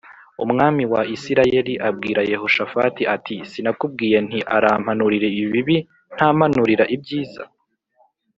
Umwami wa Isirayeli abwira Yehoshafati ati sinakubwiye nti arampanurira ibibi ntampanurira ibyiza